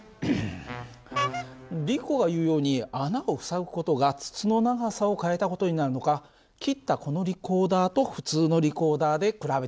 リコが言うように穴を塞ぐ事が筒の長さを変えた事になるのか切ったこのリコーダーと普通のリコーダーで比べてみよう。